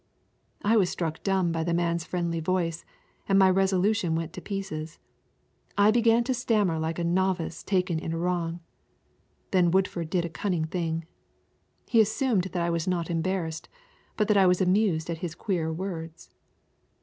I was struck dumb by the man's friendly voice and my resolution went to pieces. I began to stammer like a novice taken in a wrong. Then Woodford did a cunning thing. He assumed that I was not embarrassed, but that I was amused at his queer words.